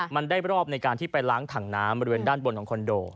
มันได้รอบในการที่ไปล้างถังน้ำบริเวณด้านบนของคอนโด